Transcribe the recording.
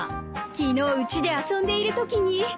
昨日うちで遊んでいるときに。